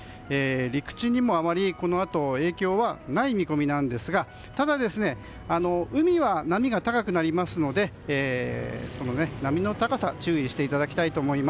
陸地にも、あまりこのあと影響はない見込みですがただ、海は波が高くなりますので波の高さに注意してください。